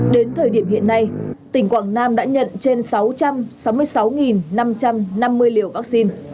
đến thời điểm hiện nay tỉnh quảng nam đã nhận trên sáu trăm sáu mươi sáu năm trăm năm mươi liều vaccine